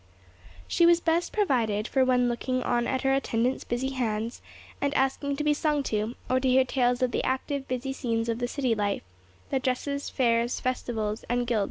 She was best provided for when looking on at her attendant's busy hands, and asking to be sung to, or to hear tales of the active, busy scenes of the city life—the dresses, fairs, festivals, and guild processions.